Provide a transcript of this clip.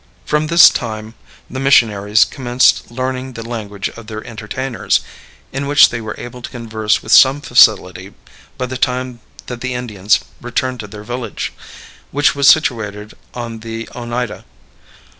From this time the missionaries commenced learning the language of their entertainers, in which they were able to converse with some facility by the time that the Indians returned to their village, which was situated on the Oneida.